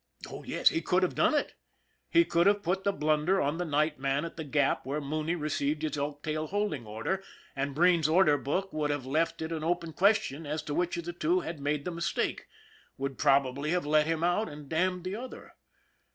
Oh, yes, he could have done it. He could have put the blunder on the night man at the Gap where Mooney received his Elktail holding order, and Breen's order book would have left it an open question as to which of the two had made the mistake would probably have let him out and damned the other.